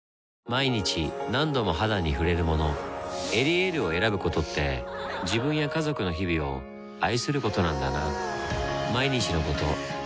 毎日何度も肌に触れるもの「エリエール」を選ぶことって自分や家族の日々を愛することなんだなぁ